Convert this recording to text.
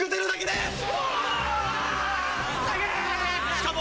しかも。